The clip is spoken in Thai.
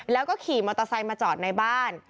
แล้วก็ขี่มอเตอร์ไซค์มาจอดในบ้าน